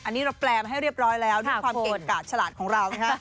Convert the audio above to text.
อันนี้เราแปลมาให้เรียบร้อยแล้วด้วยความเก่งกาดฉลาดของเรานะฮะ